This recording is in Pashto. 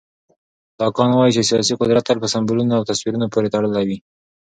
لاکان وایي چې سیاسي قدرت تل په سمبولونو او تصویرونو پورې تړلی وي.